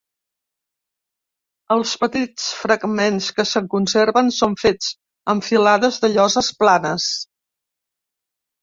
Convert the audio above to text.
Els petits fragments que se'n conserven són fets amb filades de lloses planes.